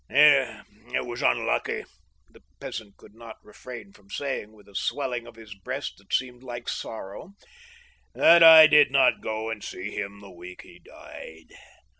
" It was unlucky," the peasant could not refrain from saying, with a swelling of his breast that seemed like sorrow, " that I did not go and see him the week he died.